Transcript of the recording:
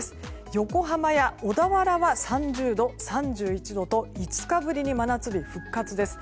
横浜や小田原は３０度、３１度と５日ぶりに真夏日復活です。